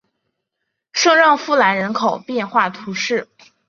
圣让夫兰人口变化图示